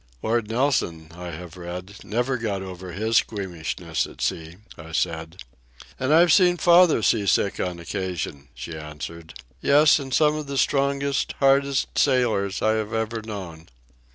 "Lord Nelson, I have read, never got over his squeamishness at sea," I said. "And I've seen father sea sick on occasion," she answered. "Yes, and some of the strongest, hardest sailors I have ever known."